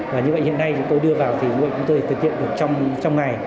và như vậy hiện nay chúng tôi đưa vào thì chúng tôi thực hiện được trong ngày